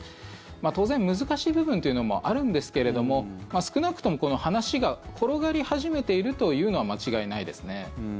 当然、難しい部分というのもあるんですけれども少なくとも話が転がり始めているというのは間違いないですね。